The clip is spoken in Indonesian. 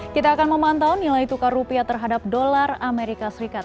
kita akan memantau nilai tukar rupiah terhadap dolar amerika serikat